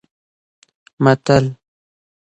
متل: